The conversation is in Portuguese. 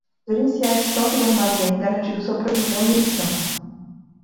Gerenciar estoque do armazém, garantindo sua provisão e emissão.